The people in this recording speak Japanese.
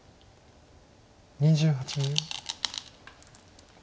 ２８秒。